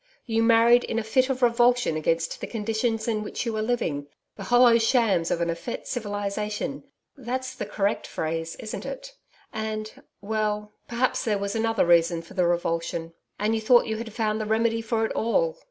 You married in a fit of revulsion against the conditions in which you were living the hollow shams of an effete civilisation that's the correct phrase, isn't it? And well, perhaps there was another reason for the revulsion.... And you thought you had found the remedy for it all.